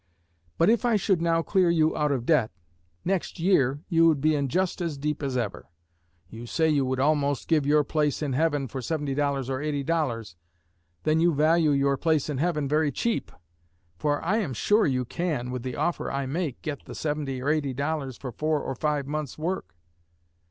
But if I should now clear you out of debt, next year you would be in just as deep as ever. You say you would almost give your place in heaven for $70 or $80. Then you value your place in heaven very cheap; for I am sure you can, with the offer I make, get the seventy or eighty dollars for four or five months' work.